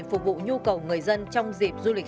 phục vụ nhu cầu người dân trong dịp du lịch